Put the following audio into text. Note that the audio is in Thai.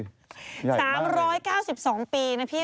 ใหญ่มากเลยสามร้อยเก้าสิบสองปีนะพี่